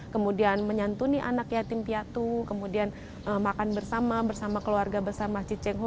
kemudian menyantuni anak yatim piatu kemudian makan bersama bersama keluarga besar masjid cengho